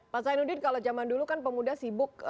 pak zainuddin kalau zaman dulu kan pemuda sibuk